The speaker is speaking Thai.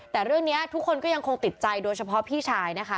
แต่เรื่องนี้ทุกคนก็ยังคงติดใจโดยเฉพาะพี่ชายนะคะ